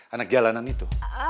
anak jalanan itu